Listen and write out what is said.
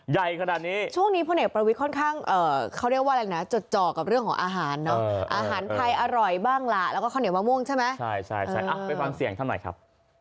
ใช่ไปฟังเสียงทำหน่อยครับ